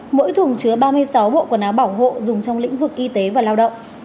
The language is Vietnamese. mỗi thùng chứa ba mươi sáu bộ quần áo bảo hộ dùng trong lĩnh vực y tế và lao động